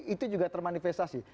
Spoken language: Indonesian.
itu juga termanifestasi